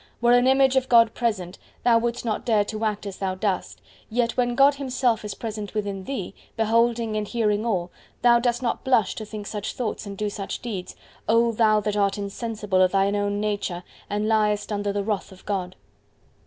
Were an image of God present, thou wouldest not dare to act as thou dost, yet, when God Himself is present within thee, beholding and hearing all, thou dost not blush to think such thoughts and do such deeds, O thou that art insensible of thine own nature and liest under the wrath of God!